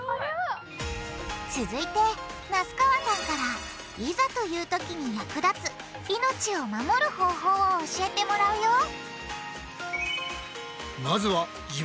続いて名須川さんからいざという時に役立つ命を守る方法を教えてもらうよ